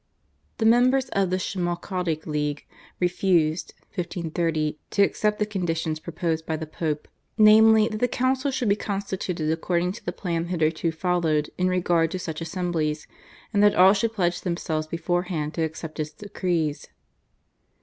The members of the Schmalkaldic League refused (1533) to accept the conditions proposed by the Pope, namely, that the Council should be constituted according to the plan hitherto followed in regard to such assemblies, and that all should pledge themselves beforehand to accept its decrees.